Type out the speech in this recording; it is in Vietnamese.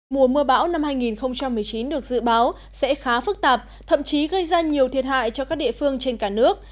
mùa mưa bão năm hai nghìn một mươi chín được dự báo sẽ khá phức tạp thậm chí gây ra nhiều thiệt hại cho các địa phương trên cả nước